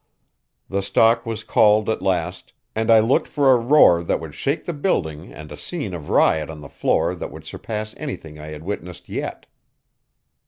The stock was called at last, and I looked for a roar that would shake the building and a scene of riot on the floor that would surpass anything I had witnessed yet.